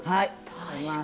はい！